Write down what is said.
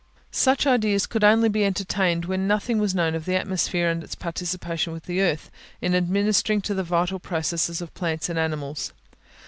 Such ideas could only be entertained when nothing was known of the atmosphere, and its participation with the earth, in administering to the vital processes of plants and animals.